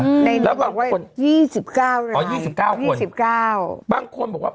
อืมแล้วบางคนยี่สิบเก้าอ๋อยี่สิบเก้ายี่สิบเก้าบางคนบอกว่า